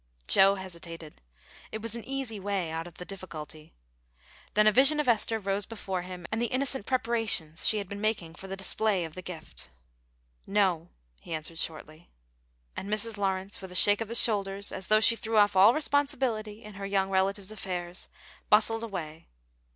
Joe hesitated. It was an easy way out of the difficulty. Then a vision of Esther rose before him, and the innocent preparations she had been making for the display of the gift; "No," he answered, shortly. And Mrs. Lawrence, with a shake of the shoulders as though she threw off all responsibility in her young relative's affairs, bustled away.